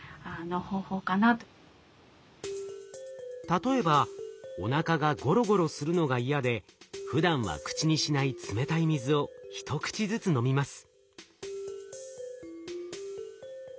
例えばおなかがゴロゴロするのが嫌でふだんは口にしない冷たい水を一口ずつ飲みます。